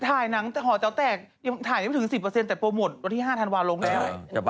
ถ่ายหนังแต่หอแจ๋วแตกยังถ่ายไม่ถึง๑๐แต่โปรโมทวันที่๕ธันวาลงแล้ว